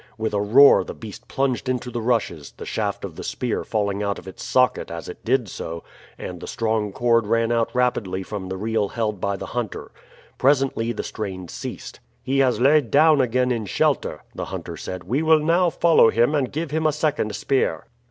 With a roar the beast plunged into the rushes, the shaft of the spear falling out of its socket as it did so, and the strong cord ran out rapidly from the reel held by the hunter. Presently the strain ceased. "He has laid down again in shelter," the hunter said; "we will now follow him and give him a second spear."